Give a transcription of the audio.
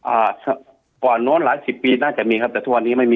อ่าก่อนโน้นหลายสิบปีน่าจะมีครับแต่ทุกวันนี้ไม่มี